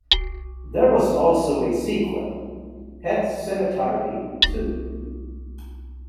There was also a sequel, "Pet Sematary Two".